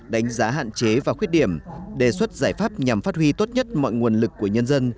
đánh giá hạn chế và khuyết điểm đề xuất giải pháp nhằm phát huy tốt nhất mọi nguồn lực của nhân dân